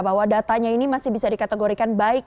bahwa datanya ini masih bisa dikategorikan baik